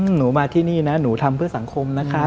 หนูมาที่นี่นะหนูทำเพื่อสังคมนะคะ